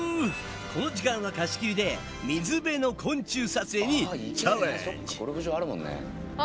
この時間は貸し切りで水辺の昆虫撮影にチャレンジ！